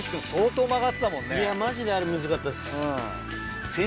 いやマジであれムズかったです。